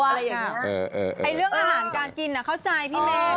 เรื่องอาหารการกินเข้าใจพี่เมฆ